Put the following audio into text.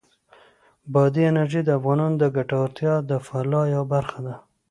بادي انرژي د افغانانو د ګټورتیا او فلاح یوه برخه ده.